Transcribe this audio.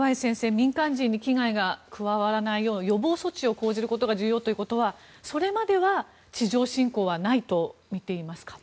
民間人に危害が加わらないよう予防措置を講じることが重要ということは、それまでは地上侵攻はないとみていますか。